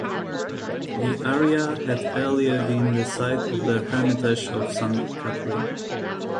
The area had earlier been the site of the Hermitage of St Katherine.